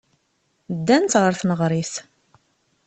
Ddant ɣer tneɣrit.